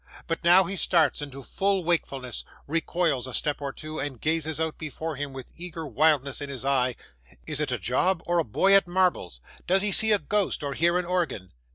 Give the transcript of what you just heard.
But now, he starts into full wakefulness, recoils a step or two, and gazes out before him with eager wildness in his eye. Is it a job, or a boy at marbles? Does he see a ghost, or hear an organ?